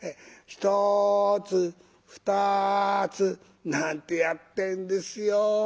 ひとつふたつ」なんてやってんですよ。